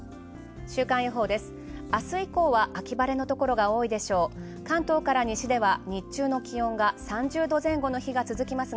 週間予報です。